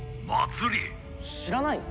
知らないの？